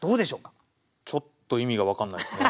ちょっと意味が分からないですね。